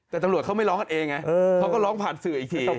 แต่ตำรวจเขาไม่ร้องกันเองไงเขาก็ร้องผ่านสื่ออีกที